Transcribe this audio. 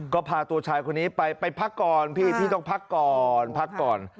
ก็พาตัวชายคนนี้ไปพักก่อนพี่พี่ต้องพักก่อนพักก่อน